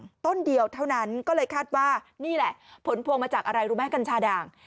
ต้นเดียวเท่านั้นก็เลยคาดว่านี่แหละผลพวงมาจากอะไรรู้ไหมกัญชาด่าง